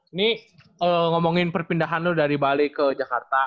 ini ngomongin perpindahan dulu dari bali ke jakarta